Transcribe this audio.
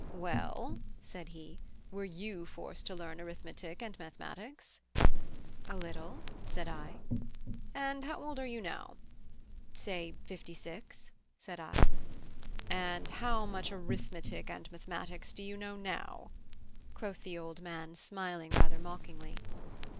"Well," said he, "were you forced to learn arithmetic and mathematics?" "A little," said I. "And how old are you now?" "Say fifty six," said I. "And how much arithmetic and mathematics do you know now?" quoth the old man, smiling rather mockingly.